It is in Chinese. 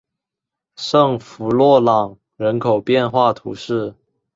圣夫洛朗人口变化图示